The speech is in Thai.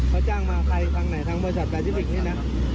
ก็จ้างมาใครทางไหนทางบริษัทการทิฟิกนี่นะ